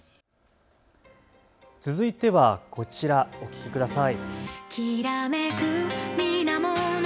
続いてはこちら、お聞きください。